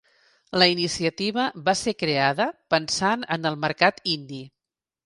La iniciativa va ser creada pensant en el mercat Indi.